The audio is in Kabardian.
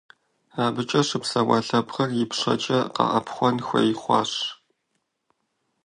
АбыкӀэ щыпсэуа лъэпкъыр ипщэкӀэ къэӀэпхъуэн хуей хъуащ.